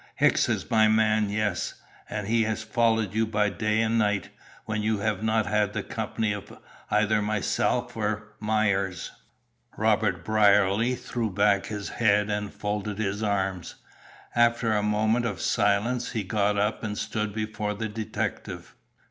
Hicks is my man; yes. And he has followed you by day and night when you have not had the company of either Myers or myself." Robert Brierly threw back his head and folded his arms. After a moment of silence he got up and stood before the detective.